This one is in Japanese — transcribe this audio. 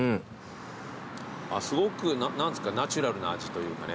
すごく何ですかナチュラルな味というかね。